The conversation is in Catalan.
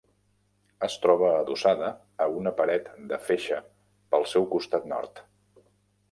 Es troba adossada a una paret de feixa pel seu costat nord.